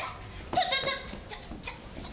ちょっとちょっと！